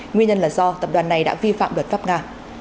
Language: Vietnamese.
nguyên nhân là do tập đoàn này đã vi phạm luật pháp nga